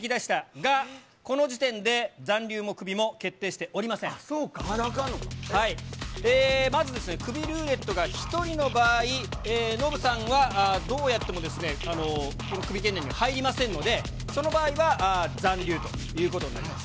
が、この時点で、残留もクビも決そうか、まずですね、クビルーレットが１人の場合、ノブさんがどうやってもですね、このクビ圏内には入りませんので、その場合は、残留ということになります。